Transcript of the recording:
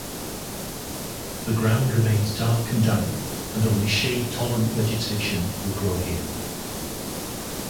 The ground remains dark and damp and only shade tolerant vegetation will grow here.